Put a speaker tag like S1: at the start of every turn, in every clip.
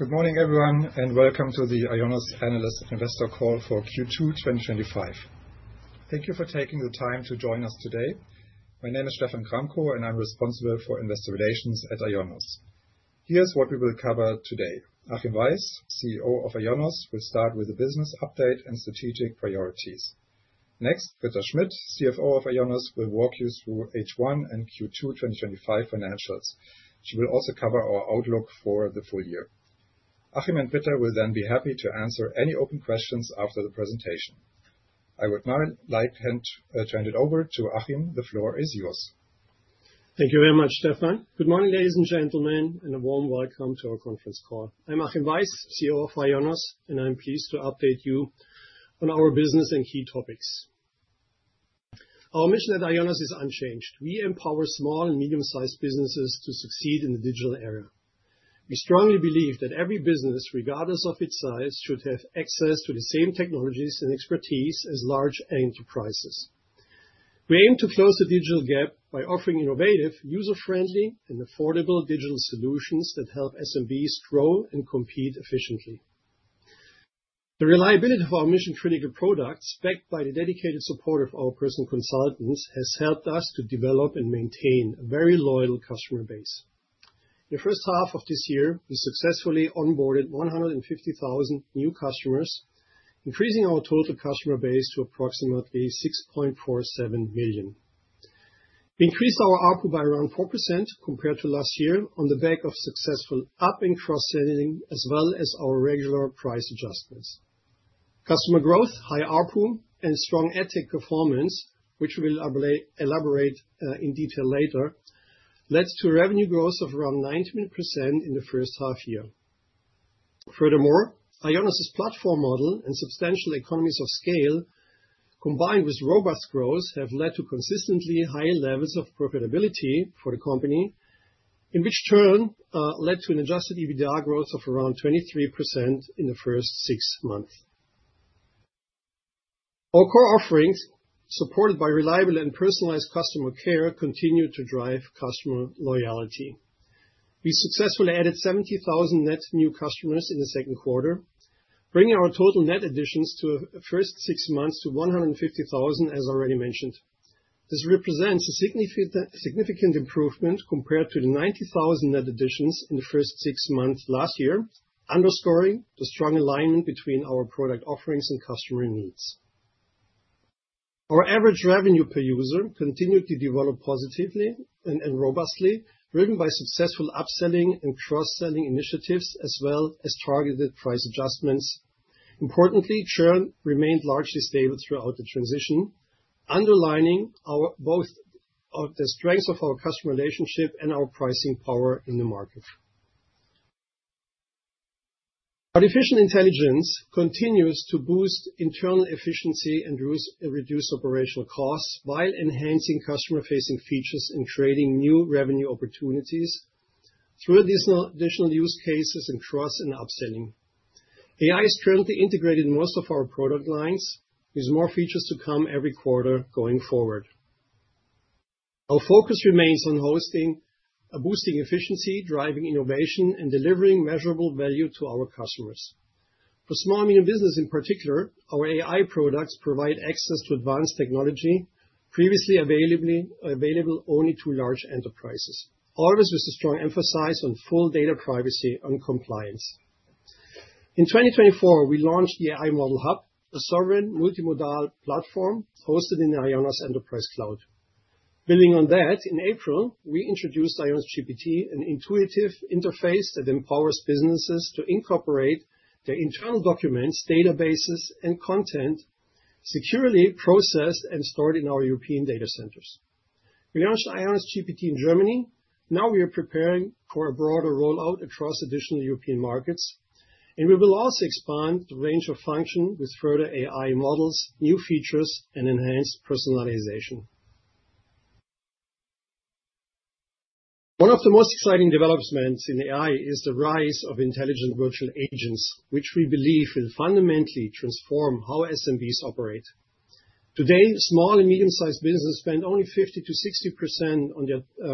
S1: Good morning, everyone, and welcome to the IONOS analyst and investor call for Q2 2025. Thank you for taking the time to join us today. My name is Stephan Gramkow, and I'm responsible for Investor Relations at IONOS. Here's what we will cover today: Achim Weiss, CEO of IONOS, will start with the business update and strategic priorities. Next, Britta Schmidt, CFO of IONOS, will walk you through H1 and Q2 2025 financials. She will also cover our outlook for the full year. Achim and Britta will then be happy to answer any open questions after the presentation. I would now like to hand it over to Achim. The floor is yours.
S2: Thank you very much, Stephan. Good morning, ladies and gentlemen, and a warm welcome to our conference call. I'm Achim Weiss, CEO of IONOS SE, and I'm pleased to update you on our business and key topics. Our mission at IONOS is unchanged: we empower small and medium-sized businesses to succeed in the digital era. We strongly believe that every business, regardless of its size, should have access to the same technologies and expertise as large enterprises. We aim to close the digital gap by offering innovative, user-friendly, and affordable digital solutions that help SMBs grow and compete efficiently. The reliability of our mission-critical products, backed by the dedicated support of our personal consultants, has helped us to develop and maintain a very loyal customer base. In the first half of this year, we successfully onboarded 150,000 new customers, increasing our total customer base to approximately 6.47 million. We increased our ARPU by around 4% compared to last year on the back of successful up-and-cross-selling, as well as our regular price adjustments. Customer growth, high ARPU, and strong ad tech performance, which we will elaborate on in detail later, led to revenue growth of around 19% in the first half year. Furthermore, IONOS' platform model and substantial economies of scale, combined with robust growth, have led to consistently high levels of profitability for the company, which in turn led to an Adjusted EBITDA growth of around 23% in the first six months. Our core offerings, supported by reliable and personalized customer care, continue to drive customer loyalty. We successfully added 70,000 net new customers in the second quarter, bringing our total net additions to the first six months to 150,000, as already mentioned. This represents a significant improvement compared to the 90,000 net additions in the first six months last year, underscoring the strong alignment between our product offerings and customer needs. Our average revenue per user continued to develop positively and robustly, driven by successful upselling and cross-selling initiatives, as well as targeted price adjustments. Importantly, churn remained largely stable throughout the transition, underlining both the strengths of our customer relationship and our pricing power in the market. Artificial intelligence continues to boost internal efficiency and reduce operational costs while enhancing customer-facing features and creating new revenue opportunities through additional use cases and cross-and-up selling. AI is currently integrated in most of our product lines, with more features to come every quarter going forward. Our focus remains on hosting, boosting efficiency, driving innovation, and delivering measurable value to our customers. For small and medium businesses in particular, our AI products provide access to advanced technology, previously available only to large enterprises. All of this with a strong emphasis on full data privacy and compliance. In 2024, we launched the AI Model Hub, a sovereign multimodal platform hosted in the IONOS Enterprise Cloud. Building on that, in April, we introduced IONOS GPT, an intuitive interface that empowers businesses to incorporate their internal documents, databases, and content securely processed and stored in our European data centers. We launched IONOS GPT in Germany. Now we are preparing for a broader rollout across additional European markets, and we will also expand the range of functions with further AI models, new features, and enhanced personalization. One of the most exciting developments in AI is the rise of intelligent virtual assistants, which we believe will fundamentally transform how SMBs operate. Today, small and medium-sized businesses spend only 50%-60%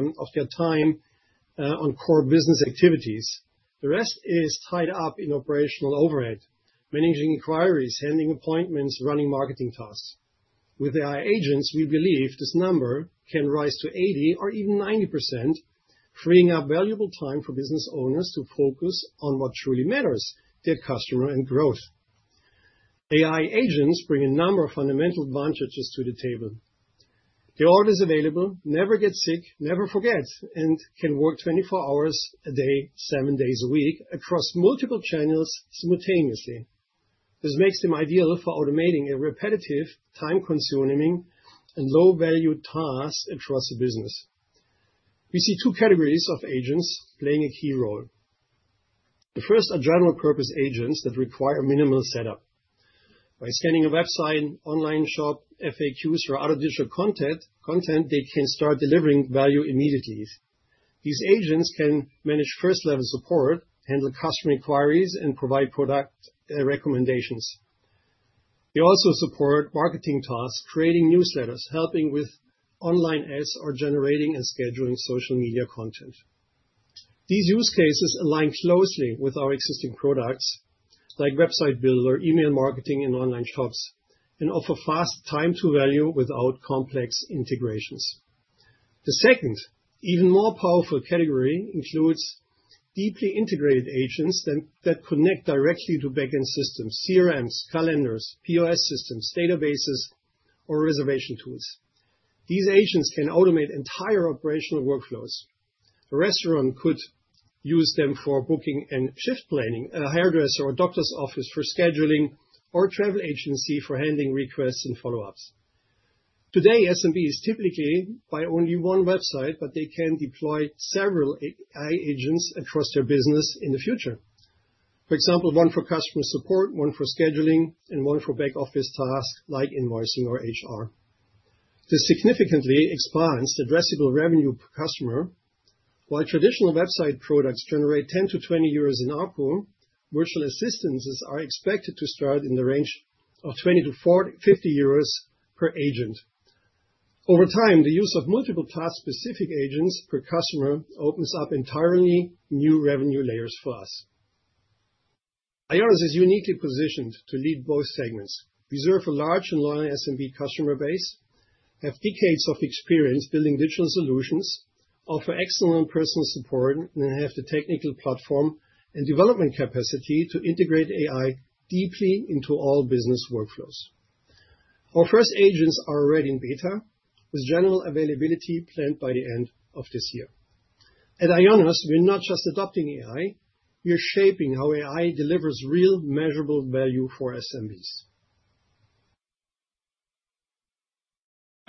S2: of their time on core business activities. The rest is tied up in operational overhead, managing inquiries, handling appointments, and running marketing tasks. With AI agents, we believe this number can rise to 80% or even 90%, freeing up valuable time for business owners to focus on what truly matters: their customer and growth. AI agents bring a number of fundamental advantages to the table. They're always available, never get sick, never forget, and can work 24 hours a day, seven days a week, across multiple channels simultaneously. This makes them ideal for automating repetitive, time-consuming, and low-value tasks across the business. We see two categories of agents playing a key role. The first are general-purpose agents that require minimal setup. By scanning a website, online shop, FAQs, or other digital content, they can start delivering value immediately. These agents can manage first-level support, handle customer inquiries, and provide product recommendations. They also support marketing tasks, creating newsletters, helping with online ads, or generating and scheduling social media content. These use cases align closely with our existing products, like website builder, email marketing, and online shops, and offer fast time-to-value without complex integrations. The second, even more powerful category includes deeply integrated agents that connect directly to backend systems, CRMs, calendars, POS systems, databases, or reservation tools. These agents can automate entire operational workflows. A restaurant could use them for booking and shift planning, a hairdresser or doctor's office for scheduling, or a travel agency for handling requests and follow-ups. Today, SMBs typically buy only one website, but they can deploy several AI agents across their business in the future. For example, one for customer support, one for scheduling, and one for back-office tasks like invoicing or HR. This significantly expands the addressable revenue per customer. While traditional website products generate 10-20 euros in ARPU, virtual assistants are expected to start in the range of 20-50 euros per agent. Over time, the use of multiple task-specific agents per customer opens up entirely new revenue layers for us. IONOS is uniquely positioned to lead both segments. We serve a large and loyal SMB customer base, have decades of experience building digital solutions, offer excellent personal support, and have the technical platform and development capacity to integrate AI deeply into all business workflows. Our first agents are already in beta, with general availability planned by the end of this year. At IONOS, we're not just adopting AI; we're shaping how AI delivers real, measurable value for SMBs.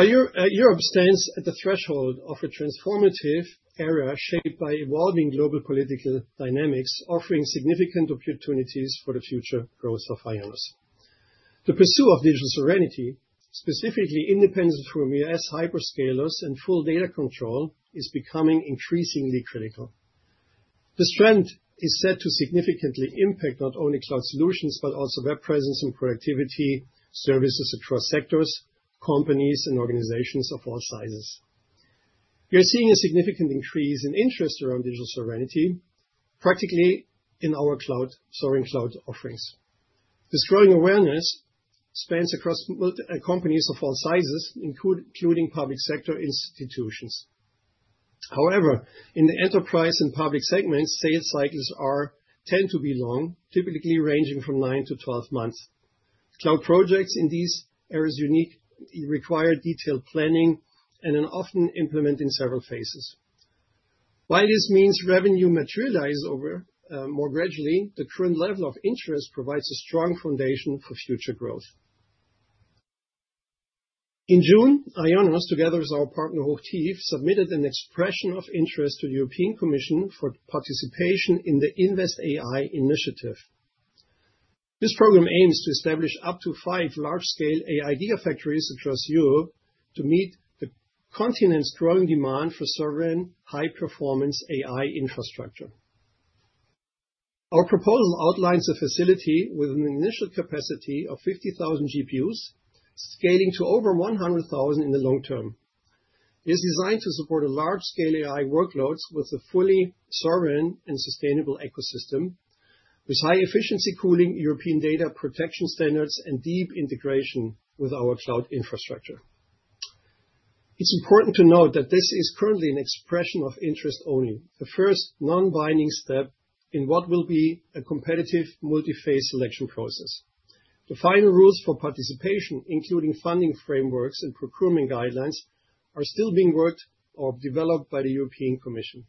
S2: Europe stands at the threshold of a transformative era shaped by evolving global political dynamics, offering significant opportunities for the future growth of IONOS. The pursuit of digital sovereignty, specifically independence from U.S. hyperscalers and full data control, is becoming increasingly critical. This trend is set to significantly impact not only cloud solutions but also web presence and productivity services across sectors, companies, and organizations of all sizes. We are seeing a significant increase in interest around digital sovereignty practically in our cloud, sovereign cloud offerings. This growing awareness spans across companies of all sizes, including public sector institutions. However, in the enterprise and public segments, sales cycles tend to be long, typically ranging from 9-12 months. Cloud projects in these areas uniquely require detailed planning and are often implemented in several phases. While this means revenue materializes more gradually, the current level of interest provides a strong foundation for future growth. In June, IONOS, together with our partner O'Keeffe, submitted an expression of interest to the European Commission for participation in the Invest AI initiative. This program aims to establish up to five large-scale AI gigafactories across Europe to meet the continent's growing demand for sovereign, high-performance AI infrastructure. Our proposal outlines a facility with an initial capacity of 50,000 GPUs, scaling to over 100,000 in the long term. It is designed to support large-scale AI workloads with a fully sovereign and sustainable ecosystem, with high-efficiency cooling, European data protection standards, and deep integration with our cloud infrastructure. It's important to note that this is currently an expression of interest only, the first non-binding step in what will be a competitive multi-phase selection process. The final rules for participation, including funding frameworks and procurement guidelines, are still being worked or developed by the European Commission.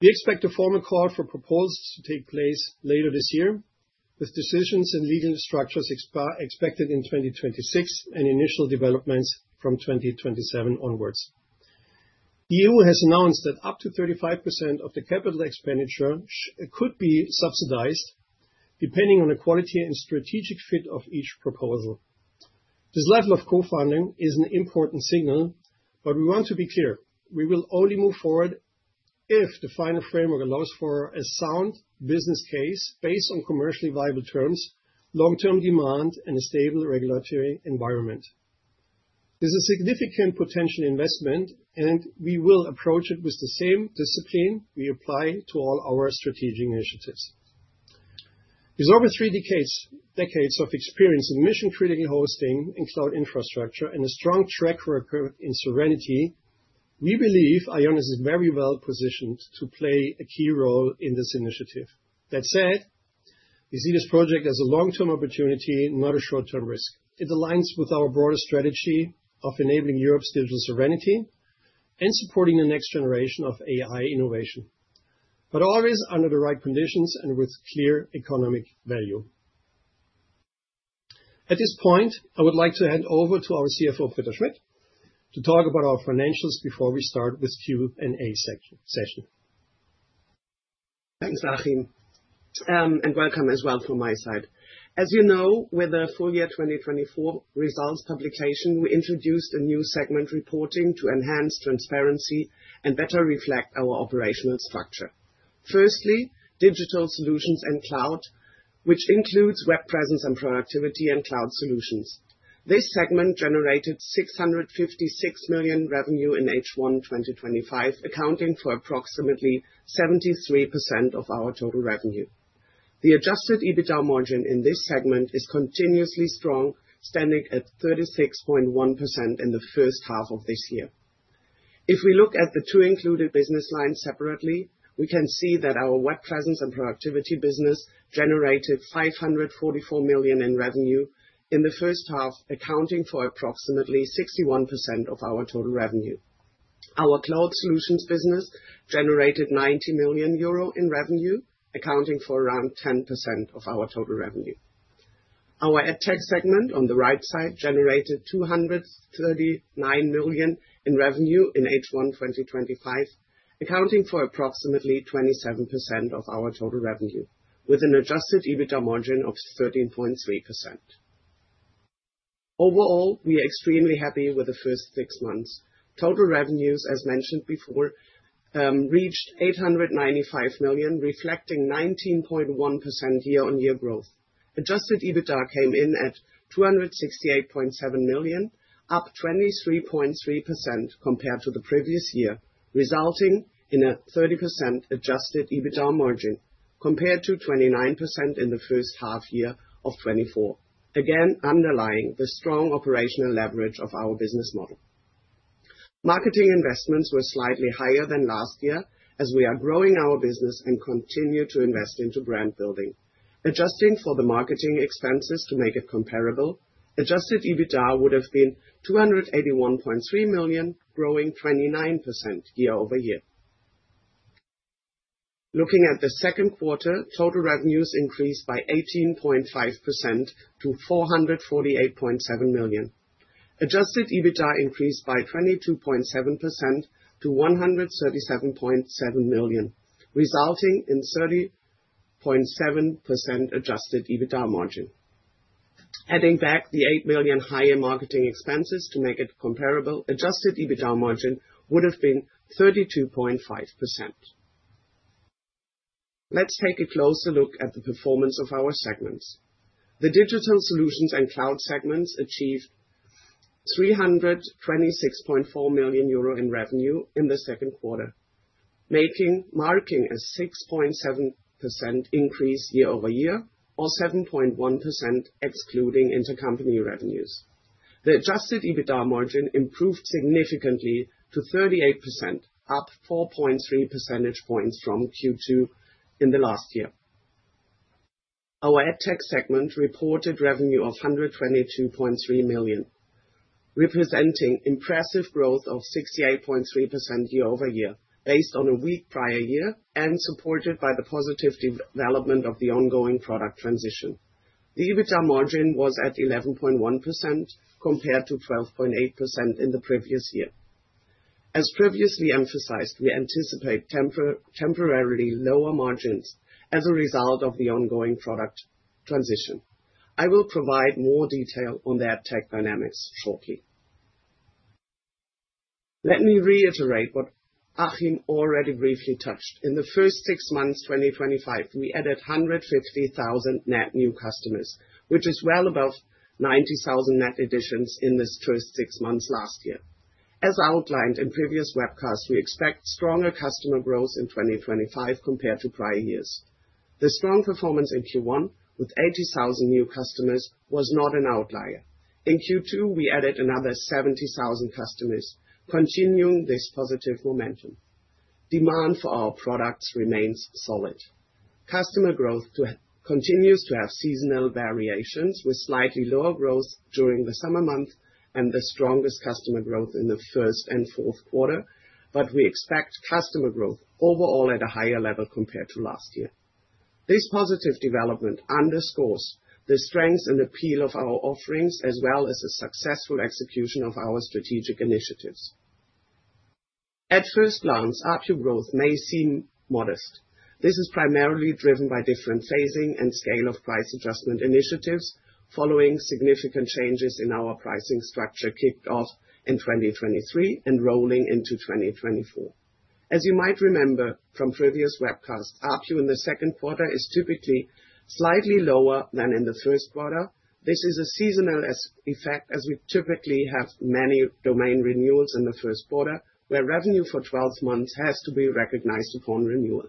S2: We expect a formal call for proposals to take place later this year, with decisions and legal structures expected in 2026 and initial developments from 2027 onwards. The EU has announced that up to 35% of the capital expenditure could be subsidized, depending on the quality and strategic fit of each proposal. This level of co-funding is an important signal, but we want to be clear: we will only move forward if the final framework allows for a sound business case based on commercially viable terms, long-term demand, and a stable regulatory environment. This is a significant potential investment, and we will approach it with the same discipline we apply to all our strategic initiatives. With over three decades of experience in mission-critical hosting and cloud infrastructure and a strong track record in security, we believe IONOS is very well positioned to play a key role in this initiative. That said, we see this project as a long-term opportunity, not a short-term risk. It aligns with our broader strategy of enabling Europe's digital sovereignty and supporting the next generation of AI innovation, always under the right conditions and with clear economic value. At this point, I would like to hand over to our CFO, Britta, to talk about our financials before we start this Q&A session.
S3: Thanks, Achim, and welcome as well from my side. As you know, with the full year 2024 results publication, we introduced a new segment reporting to enhance transparency and better reflect our operational structure. Firstly, digital solutions and cloud, which includes web presence and productivity and cloud solutions. This segment generated 656 million revenue in H1 2025, accounting for approximately 73% of our total revenue. The Adjusted EBITDA margin in this segment is continuously strong, standing at 36.1% in the first half of this year. If we look at the two included business lines separately, we can see that our web presence and productivity business generated 544 million in revenue in the first half, accounting for approximately 61% of our total revenue. Our cloud solutions business generated 90 million euro in revenue, accounting for around 10% of our total revenue. Our ad tech segment on the right side generated 239 million in revenue in H1 2025, accounting for approximately 27% of our total revenue, with an Adjusted EBITDA margin of 13.3%. Overall, we are extremely happy with the first six months. Total revenues, as mentioned before, reached 895 million, reflecting 19.1% year-on-year growth. Adjusted EBITDA came in at 268.7 million, up 23.3% compared to the previous year, resulting in a 30% Adjusted EBITDA margin compared to 29% in the first half year of 2024, again underlining the strong operational leverage of our business model. Marketing investments were slightly higher than last year, as we are growing our business and continue to invest into brand building. Adjusting for the marketing expenses to make it comparable, Adjusted EBITDA would have been 281.3 million, growing 29% year-over-year. Looking at the second quarter, total revenues increased by 18.5% to 448.7 million. Adjusted EBITDA increased by 22.7% to EUR 137.7 million, resulting in 30.7% Adjusted EBITDA margin. Adding back the EUR 8 million higher marketing expenses to make it comparable, Adjusted EBITDA margin would have been 32.5%. Let's take a closer look at the performance of our segments. The digital solutions and cloud segments achieved 326.4 million euro in revenue in the second quarter, making marketing a 6.7% increase year-over-year, or 7.1% excluding intercompany revenues. The Adjusted EBITDA margin improved significantly to 38%, up 4.3 percentage points from Q2 in the last year. Our ad tech segment reported revenue of 122.3 million, representing impressive growth of 68.3% year-over-year, based on a weak prior year and supported by the positive development of the ongoing product transition. The EBITDA margin was at 11.1% compared to 12.8% in the previous year. As previously emphasized, we anticipate temporarily lower margins as a result of the ongoing product transition. I will provide more detail on the ad tech dynamics shortly. Let me reiterate what Achim already briefly touched. In the first six months of 2025, we added 150,000 net new customers, which is well above 90,000 net additions in the first six months last year. As outlined in previous webcasts, we expect stronger customer growth in 2025 compared to prior years. The strong performance in Q1, with 80,000 new customers, was not an outlier. In Q2, we added another 70,000 customers, continuing this positive momentum. Demand for our products remains solid. Customer growth continues to have seasonal variations, with slightly lower growth during the summer months and the strongest customer growth in the first and fourth quarter, but we expect customer growth overall at a higher level compared to last year. This positive development underscores the strengths and appeal of our offerings, as well as a successful execution of our strategic initiatives. At first glance, ARPU growth may seem modest. This is primarily driven by different phasing and scale of price adjustment initiatives following significant changes in our pricing structure kicked off in 2023 and rolling into 2024. As you might remember from previous webcasts, ARPU in the second quarter is typically slightly lower than in the first quarter. This is a seasonal effect, as we typically have many domain renewals in the first quarter, where revenue for 12 months has to be recognized upon renewal.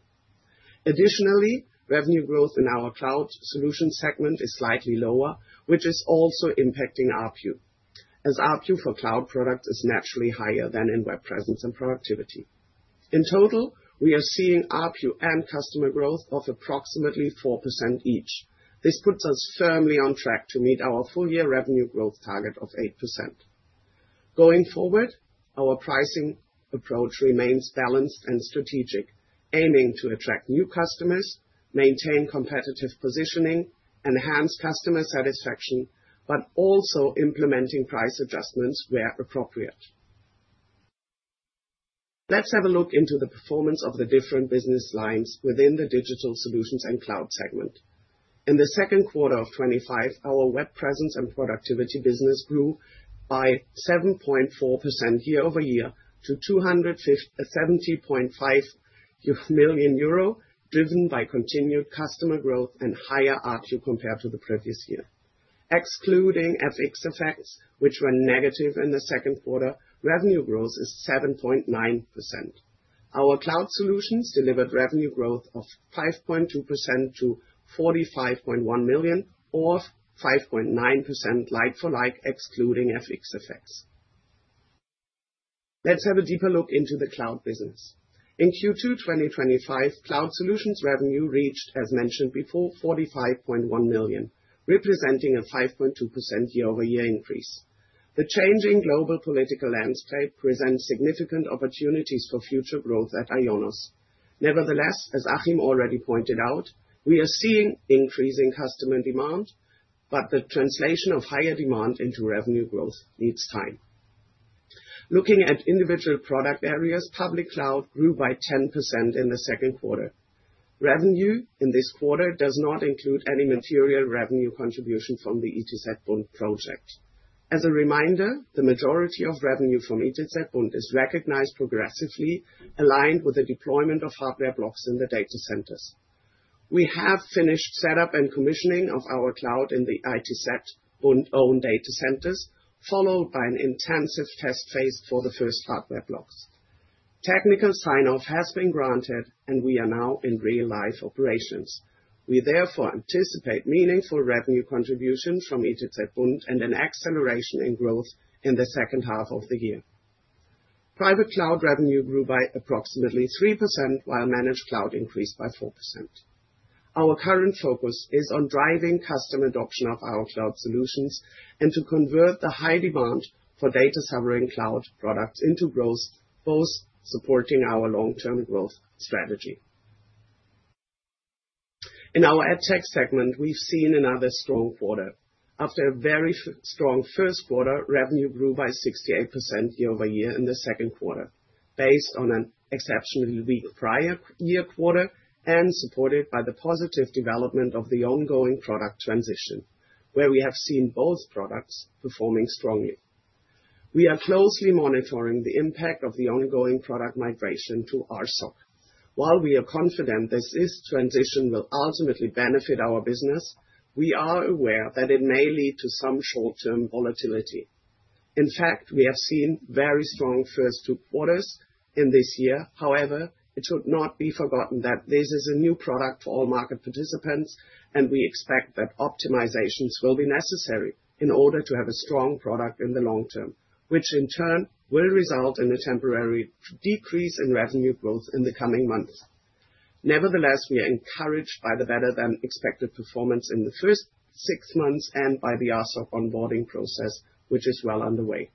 S3: Additionally, revenue growth in our cloud solutions segment is slightly lower, which is also impacting ARPU, as ARPU for cloud products is naturally higher than in web presence and productivity. In total, we are seeing ARPU and customer growth of approximately 4% each. This puts us firmly on track to meet our full-year revenue growth target of 8%. Going forward, our pricing approach remains balanced and strategic, aiming to attract new customers, maintain competitive positioning, enhance customer satisfaction, but also implement price adjustments where appropriate. Let's have a look into the performance of the different business lines within the digital solutions and cloud segment. In the second quarter of 2025, our web presence and productivity business grew by 7.4% year-over-year to 270.5 million euro, driven by continued customer growth and higher ARPU compared to the previous year. Excluding FX effects, which were negative in the second quarter, revenue growth is 7.9%. Our cloud solutions delivered revenue growth of 5.2% to 45.1 million, or 5.9% like for like, excluding FX effects. Let's have a deeper look into the cloud business. In Q2 2025, cloud solutions revenue reached, as mentioned before, 45.1 million, representing a 5.2% year-over-year increase. The changing global political landscape presents significant opportunities for future growth at IONOS. Nevertheless, as Achim already pointed out, we are seeing increasing customer demand, but the translation of higher demand into revenue growth needs time. Looking at individual product areas, public cloud grew by 10% in the second quarter. Revenue in this quarter does not include any material revenue contribution from the ITZBund project. As a reminder, the majority of revenue from ITZBund is recognized progressively, aligned with the deployment of hardware blocks in the data centers. We have finished setup and commissioning of our cloud in the ITZBund-owned data centers, followed by an intensive test phase for the first hardware blocks. Technical sign-off has been granted, and we are now in real-life operations. We therefore anticipate meaningful revenue contributions from ITZBund and an acceleration in growth in the second half of the year. Private cloud revenue grew by approximately 3%, while managed cloud increased by 4%. Our current focus is on driving customer adoption of our cloud solutions and to convert the high demand for data-sovereign cloud products into growth, both supporting our long-term growth strategy. In our ad tech segment, we've seen another strong quarter. After a very strong first quarter, revenue grew by 68% year-over-year in the second quarter, based on an exceptionally weak prior year quarter and supported by the positive development of the ongoing product transition, where we have seen both products performing strongly. We are closely monitoring the impact of the ongoing product migration to RSOC. While we are confident this transition will ultimately benefit our business, we are aware that it may lead to some short-term volatility. In fact, we have seen very strong first two quarters in this year. However, it should not be forgotten that this is a new product for all market participants, and we expect that optimizations will be necessary in order to have a strong product in the long term, which in turn will result in a temporary decrease in revenue growth in the coming months. Nevertheless, we are encouraged by the better-than-expected performance in the first six months and by the RSOC onboarding process, which is well underway.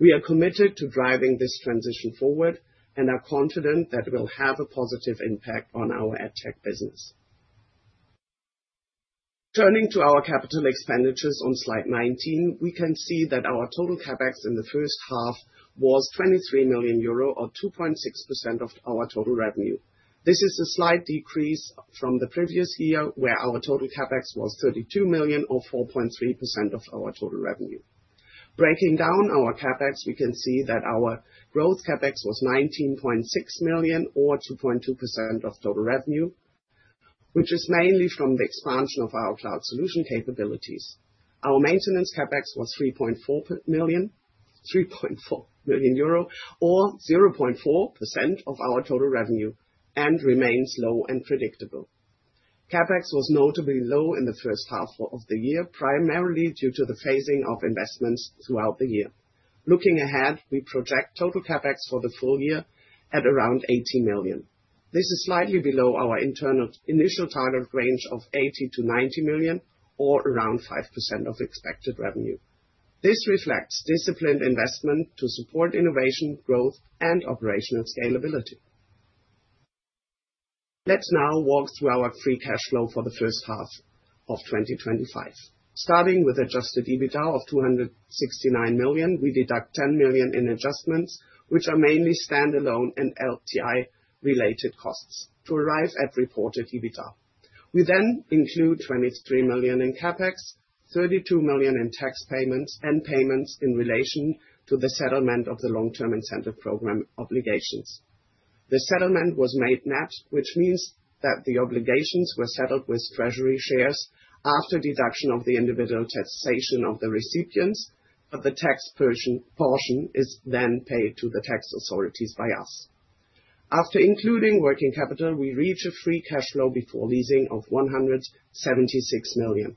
S3: We are committed to driving this transition forward and are confident that it will have a positive impact on our ad tech business. Turning to our capital expenditures on slide 19, we can see that our total CAPEX in the first half was 23 million euro, or 2.6% of our total revenue. This is a slight decrease from the previous year, where our total CAPEX was 32 million, or 4.3% of our total revenue. Breaking down our CAPEX, we can see that our gross CAPEX was 19.6 million, or 2.2% of total revenue, which is mainly from the expansion of our cloud solution capabilities. Our maintenance CAPEX was 3.4 million, 3.4 million euro, or 0.4% of our total revenue and remains low and predictable. CAPEX was notably low in the first half of the year, primarily due to the phasing of investments throughout the year. Looking ahead, we project total CAPEX for the full year at around 80 million. This is slightly below our internal initial target range of 80 million-90 million, or around 5% of expected revenue. This reflects disciplined investment to support innovation, growth, and operational scalability. Let's now walk through our free cash flow for the first half of 2025. Starting with Adjusted EBITDA of 269 million, we deduct 10 million in adjustments, which are mainly standalone and LTI-related costs, to arise at reported EBITDA. We then include 23 million in CAPEX, 32 million in tax payments, and payments in relation to the settlement of the long-term incentive program obligations. The settlement was made net, which means that the obligations were settled with treasury shares after deduction of the individual taxation of the recipients, but the tax portion is then paid to the tax authorities by us. After including working capital, we reach a free cash flow before leasing of 176 million.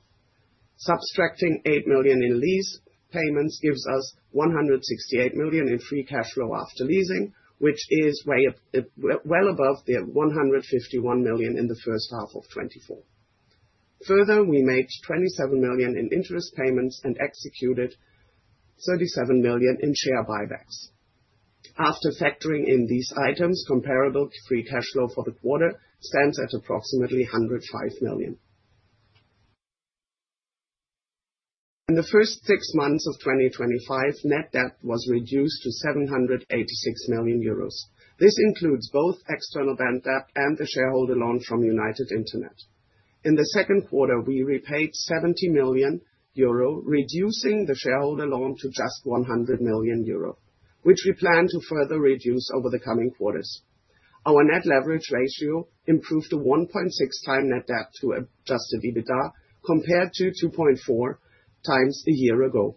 S3: Subtracting 8 million in lease payments gives us 168 million in free cash flow after leasing, which is well above the 151 million in the first half of 2024. Further, we made 27 million in interest payments and executed 37 million in share buybacks. After factoring in these items, comparable free cash flow for the quarter stands at approximately 105 million. In the first six months of 2025, net debt was reduced to 786 million euros. This includes both external bank debt and the shareholder loan from United Internet. In the second quarter, we repaid 70 million euro, reducing the shareholder loan to just 100 million euro, which we plan to further reduce over the coming quarters. Our net leverage ratio improved to 1.6x net debt through Adjusted EBITDA compared to 2.4x a year ago.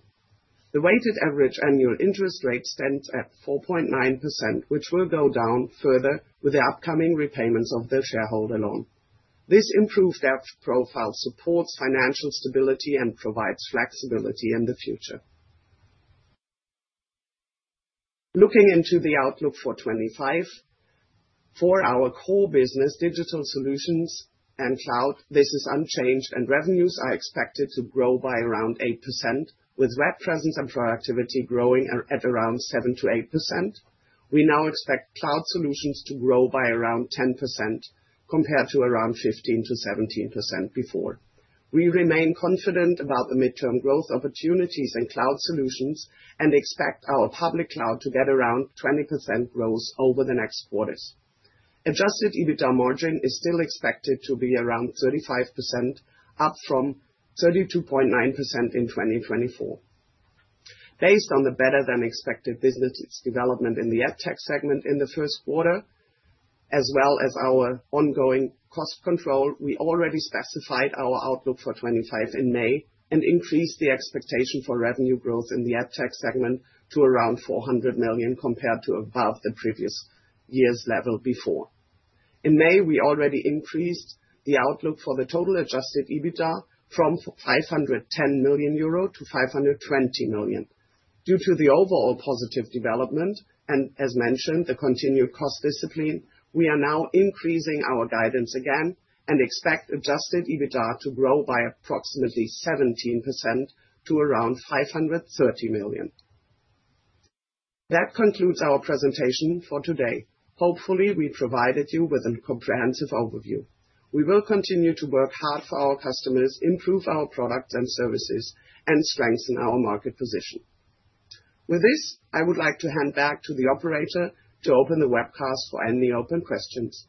S3: The weighted average annual interest rate stands at 4.9%, which will go down further with the upcoming repayments of the shareholder loan. This improved debt profile supports financial stability and provides flexibility in the future. Looking into the outlook for 2025, for our core business, digital solutions and cloud, this is unchanged, and revenues are expected to grow by around 8%, with web presence and productivity growing at around 7%-8%. We now expect cloud solutions to grow by around 10% compared to around 15%-17% before. We remain confident about the midterm growth opportunities in cloud solutions and expect our public cloud to get around 20% growth over the next quarters. Adjusted EBITDA margin is still expected to be around 35%, up from 32.9% in 2024. Based on the better-than-expected business development in the ad tech segment in the first quarter, as well as our ongoing cost control, we already specified our outlook for 2025 in May and increased the expectation for revenue growth in the ad tech segment to around 400 million compared to above the previous year's level before. In May, we already increased the outlook for the total Adjusted EBITDA from 510 million-520 million euro. Due to the overall positive development and, as mentioned, the continued cost discipline, we are now increasing our guidance again and expect Adjusted EBITDA to grow by approximately 17% to around 530 million. That concludes our presentation for today. Hopefully, we provided you with a comprehensive overview. We will continue to work hard for our customers, improve our products and services, and strengthen our market position. With this, I would like to hand back to the operator to open the webcast for any open questions.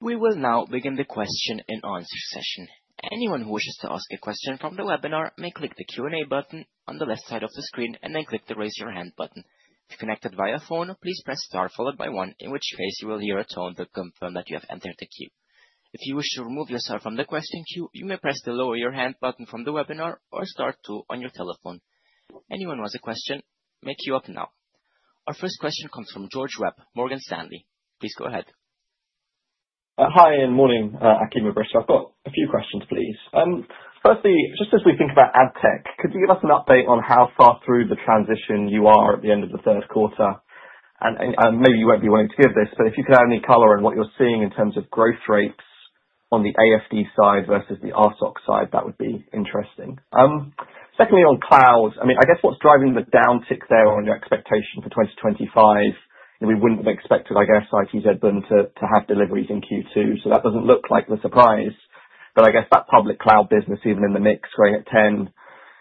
S4: We will now begin the question and answer session. Anyone who wishes to ask a question from the webinar may click the Q&A button on the left side of the screen and then click the Raise Your Hand button. If you connected via phone, please press star followed by one, in which case you will hear a tone that confirms that you have entered the queue. If you wish to remove yourself from the question queue, you may press the Lower Your Hand button from the webinar or star two on your telephone. Anyone who has a question may queue up now. Our first question comes from George Webb, Morgan Stanley. Please go ahead.
S5: Hi, and morning, Achim and Britta. I've got a few questions, please. Firstly, just as we think about ad tech, could you give us an update on how far through the transition you are at the end of the third quarter? Maybe you won't be willing to give this, but if you could add any color on what you're seeing in terms of growth rates on the AFD side versus the RSOC side, that would be interesting. Secondly, on cloud, I mean, I guess what's driving the downtick there on your expectation for 2025, and we wouldn't have expected, I guess, ITZBund to have deliveries in Q2. That doesn't look like the surprise, but I guess that public cloud business, even in the NICS, going at 10%,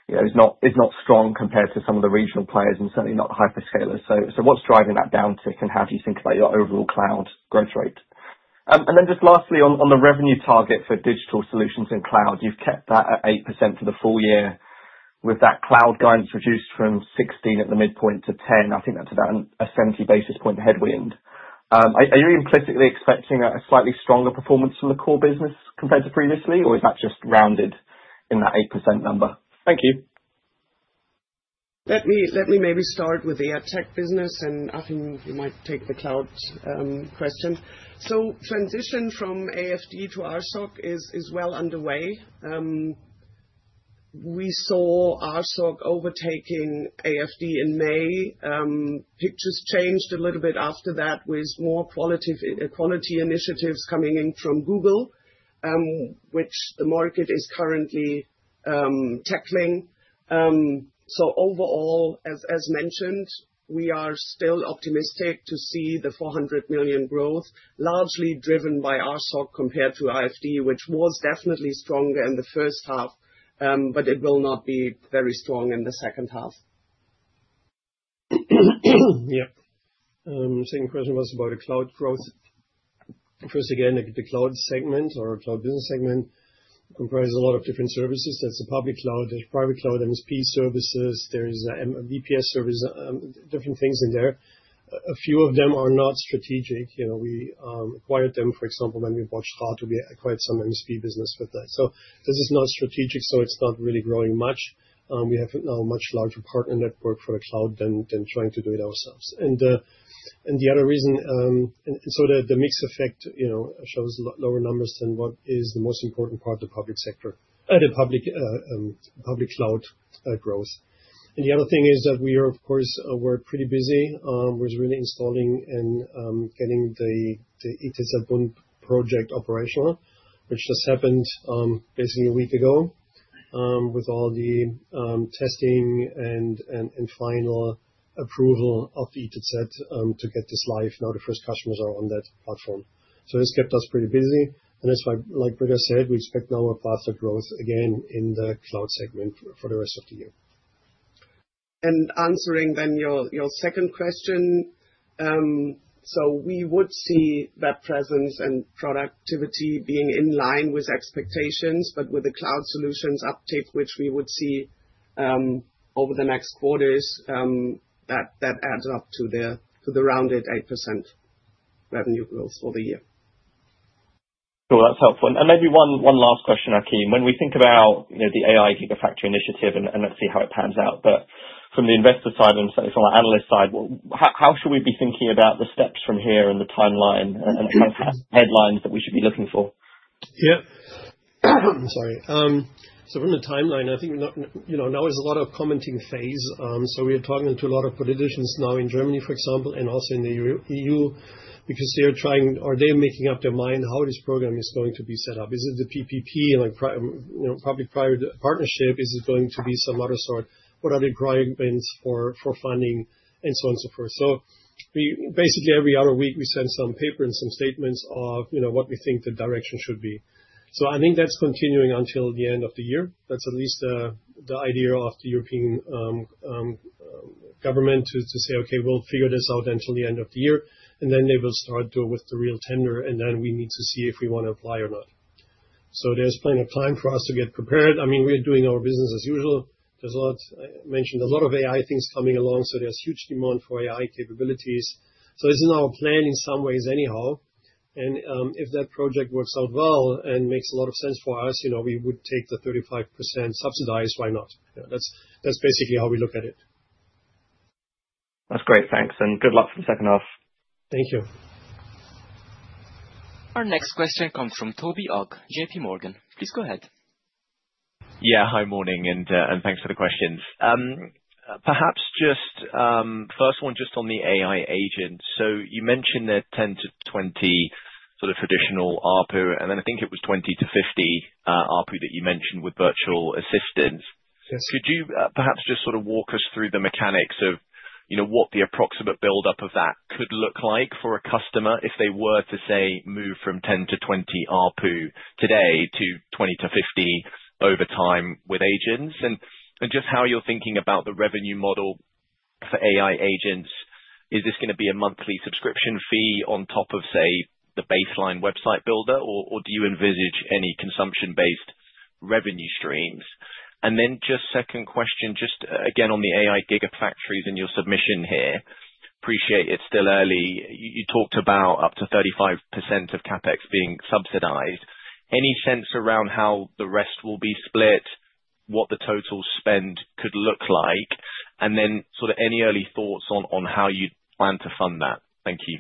S5: you know, is not strong compared to some of the regional players and certainly not the hyperscalers. What's driving that downtick and how do you think about your overall cloud growth rate? Lastly, on the revenue target for digital solutions and cloud, you've kept that at 8% for the full year, with that cloud guidance reduced from 16% at the midpoint to 10%. I think that's about a 70 basis point headwind. Are you implicitly expecting a slightly stronger performance from the core business compared to previously, or is that just rounded in that 8% number? Thank you.
S3: Let me maybe start with the ad tech business, and Achim, you might take the cloud question. The transition from AFD to RSOC is well underway. We saw RSOC overtaking AFD in May. The picture changed a little bit after that with more quality initiatives coming in from Google, which the market is currently tackling. Overall, as mentioned, we are still optimistic to see the 400 million growth, largely driven by RSOC compared to AFD, which was definitely stronger in the first half, but it will not be very strong in the second half.
S2: Yep. The same question was about the cloud growth. First, again, the cloud segment or cloud business segment comprises a lot of different services. There's the public cloud, there's private cloud, MSP services, there's a VPS service, different things in there. A few of them are not strategic. You know, we acquired them, for example, and we worked hard to acquire some MSP business with that. This is not strategic, so it's not really growing much. We have now a much larger partner network for the cloud than trying to do it ourselves. The other reason, so that the mix effect shows lower numbers than what is the most important part of the public sector, the public cloud growth. The other thing is that we are, of course, we're pretty busy with really installing and getting the ITZBund project operational, which just happened basically a week ago, with all the testing and final approval of the ITZ to get this live. Now the first customers are on that platform. It's kept us pretty busy. That's why, like Britta said, we expect now a faster growth again in the cloud segment for the rest of the year.
S3: Answering then your second question, we would see that presence and productivity being in line with expectations, but with the cloud solutions uptake, which we would see over the next quarters, that adds up to the rounded 8% revenue growth for the year.
S5: That's helpful. Maybe one last question, Achim. When we think about the AI gigafactory initiative, and let's see how it pans out, from the investor side and certainly from our analyst side, how should we be thinking about the steps from here in the timeline and kind of headlines that we should be looking for?
S2: I'm sorry. From the timeline, I think now is a lot of commenting phase. We are talking to a lot of politicians now in Germany, for example, and also in the E.U., because they are trying, they are making up their mind how this program is going to be set up. Is it the PPP, like public-private partnership? Is it going to be some other sort? What are the requirements for funding and so on and so forth? Basically, every other week, we send some paper and some statements of what we think the direction should be. I think that's continuing until the end of the year. That's at least the idea of the European government to say, okay, we'll figure this out until the end of the year, and then they will start with the real tender, and then we need to see if we want to apply or not. There's plenty of time for us to get prepared. I mean, we're doing our business as usual. There's a lot, I mentioned, a lot of AI things coming along, so there's huge demand for AI capabilities. It's in our plan in some ways anyhow. If that project works out well and makes a lot of sense for us, we would take the 35% subsidized. Why not? That's basically how we look at it.
S5: That's great. Thanks, and good luck for the second half.
S2: Thank you.
S4: Our next question comes from Toby Ogg, JPMorgan. Please go ahead.
S6: Yeah, hi, morning, and thanks for the questions. Perhaps just the first one just on the AI agents. You mentioned there are 10-20 sort of traditional ARPU, and then I think it was 20-50 ARPU that you mentioned with virtual assistants. Could you perhaps just walk us through the mechanics of what the approximate buildup of that could look like for a customer if they were to, say, move from 10-20 ARPU today to 20-50 over time with agents? Just how you're thinking about the revenue model for AI agents. Is this going to be a monthly subscription fee on top of, say, the baseline website builder, or do you envisage any consumption-based revenue streams? Just second question, just again on the AI gigafactories in your submission here. Appreciate it's still early. You talked about up to 35% of CAPEX being subsidized. Any sense around how the rest will be split, what the total spend could look like, and any early thoughts on how you plan to fund that? Thank you.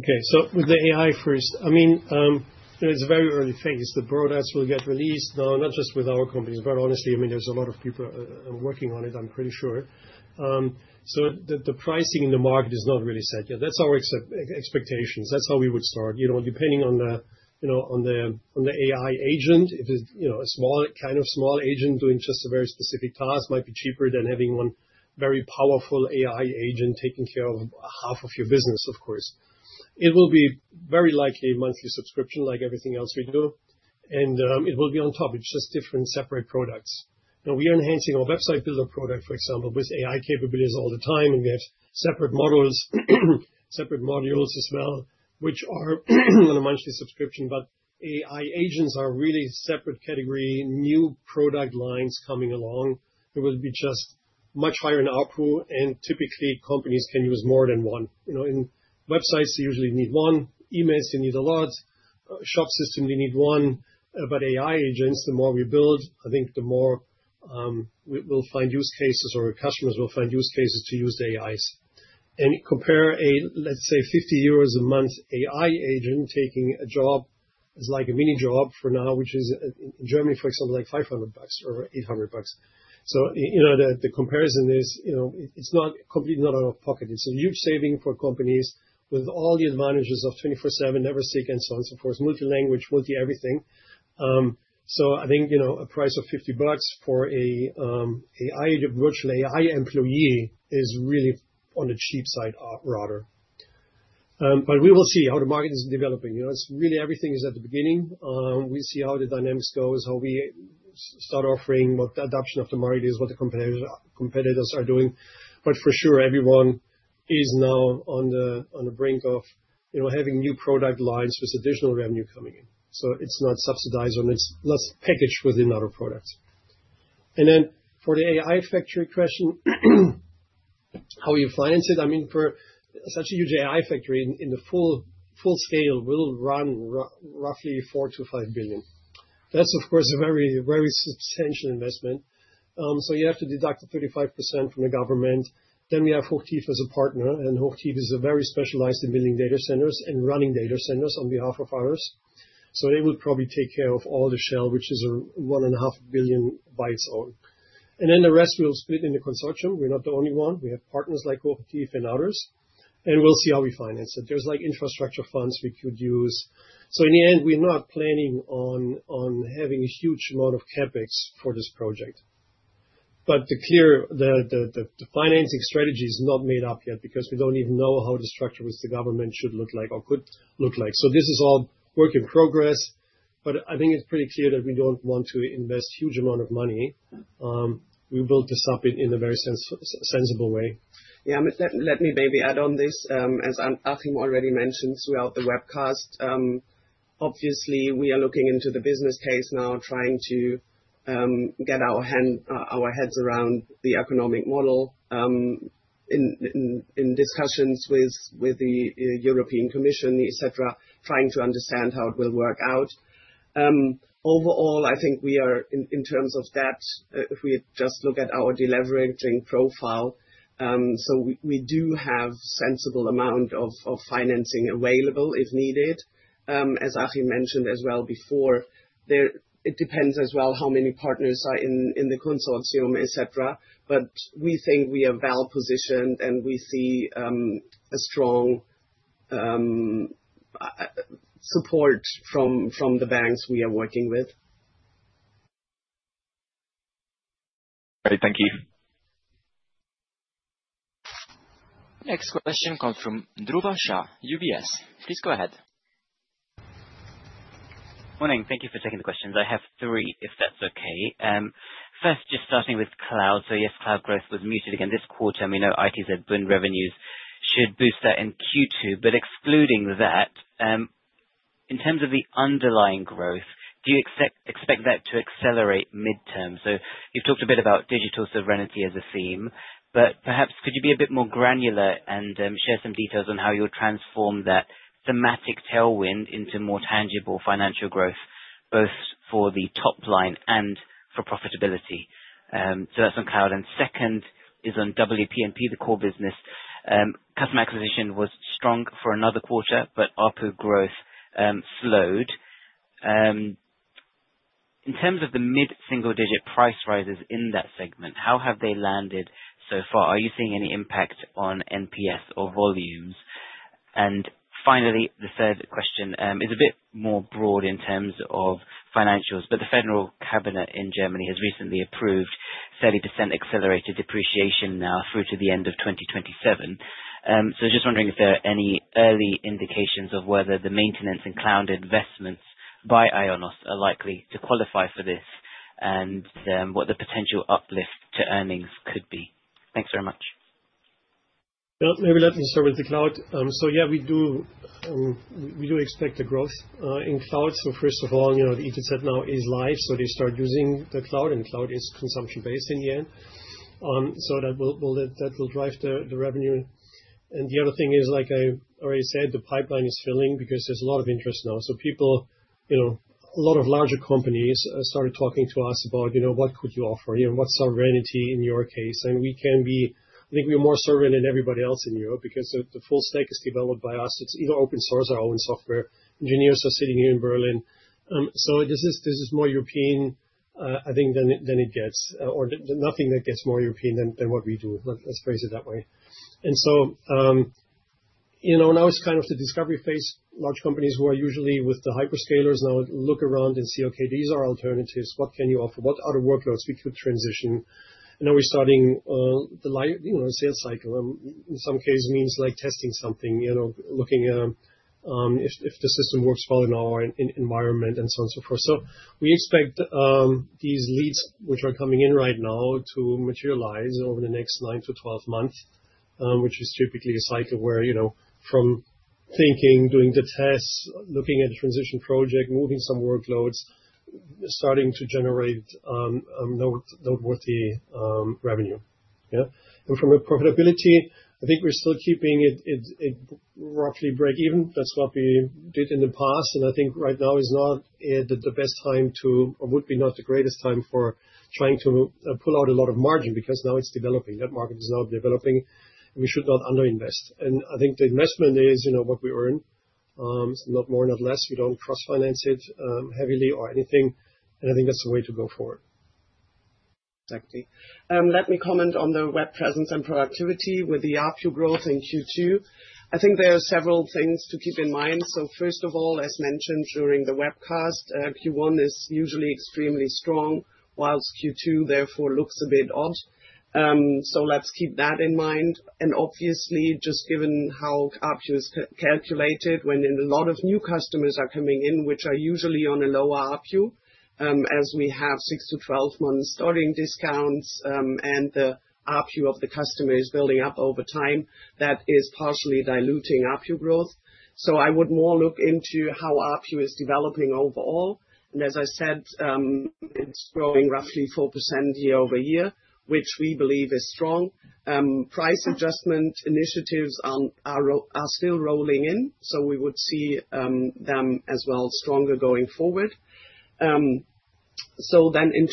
S2: Okay, so with the AI first, it's a very early phase. The products will get released, though, not just with our companies, but honestly, there's a lot of people working on it, I'm pretty sure. The pricing in the market is not really set yet. That's our expectations. That's how we would start. Depending on the AI agent, if it's a small, kind of small agent doing just a very specific task, it might be cheaper than having one very powerful AI agent taking care of half of your business, of course. It will be very likely a monthly subscription, like everything else we do. It will be on top. It's just different separate products. Now, we are enhancing our website builder product, for example, with AI capabilities all the time, and we have separate models, separate modules as well, which are not a monthly subscription, but AI agents are really a separate category, new product line coming along. It will be just much higher in ARPU, and typically, companies can use more than one. In websites, you usually need one. Emails, you need a lot. Shop system, you need one. AI agents, the more we build, I think the more we'll find use cases, or customers will find use cases to use the AIs. Compare a, let's say, 50 euros a month AI agent taking a job, it's like a mini job for now, which is in Germany, for example, like EUR 500 or EUR 800. The comparison is, it's not completely out of pocket. It's a huge saving for companies with all the advantages of 24/7, never sick, and so on and so forth, multi-language, multi-everything. I think a price of EUR 50 for a virtual AI employee is really on the cheap side, rather. We will see how the market is developing. It's really everything is at the beginning. We'll see how the dynamics go, how we start offering, what the adoption of the market is, what the competitors are doing. For sure, everyone is now on the brink of having new product lines with additional revenue coming in. It's not subsidized, and it's less packaged within other products. For the AI factory question, how you finance it, for such a huge AI factory in the full scale, we'll run roughly 4 billion-5 billion. That's, of course, a very, very substantial investment. You have to deduct the 35% from the government. We have O'Keeffe as a partner, and O'Keeffe is very specialized in building data centers and running data centers on behalf of others. They will probably take care of all the shell, which is 1.5 billion bytes old. The rest we'll split in the consortium. We're not the only one. We have partners like O'Keeffe and others. We'll see how we finance it. There are infrastructure funds we could use. In the end, we're not planning on having a huge amount of CAPEX for this project. To be clear, the financing strategy is not made up yet because we don't even know how the structure with the government should look like or could look like. This is all work in progress, but I think it's pretty clear that we don't want to invest a huge amount of money. We built this up in a very sensible way.
S3: Yeah, let me maybe add on this. As Achim already mentioned throughout the webcast, obviously, we are looking into the business case now, trying to get our heads around the economic model in discussions with the European Commission, et cetera, trying to understand how it will work out. Overall, I think we are, in terms of debt, if we just look at our deleveraging profile, we do have a sensible amount of financing available if needed. As Achim mentioned as well before, it depends as well how many partners are in the consortium, et cetera, but we think we are well positioned, and we see a strong support from the banks we are working with.
S6: Great, thank you.
S4: Next question comes from Dhruva Shah, UBS. Please go ahead.
S7: Morning. Thank you for taking the questions. I have three, if that's okay. First, just starting with cloud. Cloud growth was muted again this quarter. We know ITZBund revenues should boost that in Q2, but excluding that, in terms of the underlying growth, do you expect that to accelerate mid-term? You've talked a bit about digital sovereignty as a theme, but perhaps could you be a bit more granular and share some details on how you'll transform that thematic tailwind into more tangible financial growth, both for the top line and for profitability? That's on cloud. Second is on WPMP, the core business. Customer acquisition was strong for another quarter, but ARPU growth slowed. In terms of the mid-single-digit price rises in that segment, how have they landed so far? Are you seeing any impact on NPS or volumes? Finally, the third question is a bit more broad in terms of financials, but the federal cabinet in Germany has recently approved 30% accelerated depreciation now through to the end of 2027. I was just wondering if there are any early indications of whether the maintenance and cloud investments by IONOS are likely to qualify for this and what the potential uplift to earnings could be. Thanks very much.
S2: Maybe let me start with the cloud. Yeah, we do expect a growth in cloud. First of all, you know, the ITZBund now is live, so they start using the cloud, and cloud is consumption-based in the end. That will drive the revenue. The other thing is, like I already said, the pipeline is filling because there's a lot of interest now. People, you know, a lot of larger companies started talking to us about, you know, what could you offer? What's sovereignty in your case? We can be, I think we are more sovereign than everybody else in Europe because the full stack is developed by us. It's either open source or our own software. Engineers are sitting here in Berlin. This is more European, I think, than it gets, or nothing that gets more European than what we do. Let's phrase it that way. Now it's kind of the discovery phase. Large companies who are usually with the hyperscalers now look around and see, okay, these are alternatives. What can you offer? What are the workloads which would transition? Now we're starting the light, you know, sales cycle, in some cases means like testing something, you know, looking at if the system works well in our environment and so on and so forth. We expect these leads which are coming in right now to materialize over the next 9-12 months, which is typically a cycle where, you know, from thinking, doing the tests, looking at the transition project, moving some workloads, starting to generate noteworthy revenue. From a profitability, I think we're still keeping it roughly break-even. That's what we did in the past. I think right now is not the best time to, or would be not the greatest time for trying to pull out a lot of margin because now it's developing. That market is now developing. We should not underinvest. I think the investment is, you know, what we earn, not more and not less. You don't cross-finance it heavily or anything. I think that's the way to go forward.
S3: Exactly. Let me comment on the web presence and productivity with the ARPU growth in Q2. I think there are several things to keep in mind. First of all, as mentioned during the webcast, Q1 is usually extremely strong, whilst Q2 therefore looks a bit odd. Let's keep that in mind. Obviously, just given how ARPU is calculated, when a lot of new customers are coming in, which are usually on a lower ARPU, as we have 6-12 months starting discounts, and the ARPU of the customer is building up over time, that is partially diluting ARPU growth. I would more look into how ARPU is developing overall. As I said, it's growing roughly 4% year-over-year, which we believe is strong. Price adjustment initiatives are still rolling in, so we would see them as well stronger going forward. In